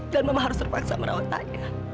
dan mama harus terpaksa merawat ayah